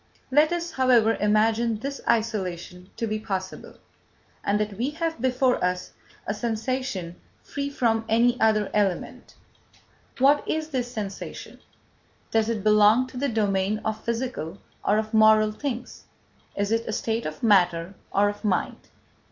Let us, however, imagine this isolation to be possible, and that we have before us a sensation free from any other element. What is this sensation? Does it belong to the domain of physical or of moral things? Is it a state of matter or of mind?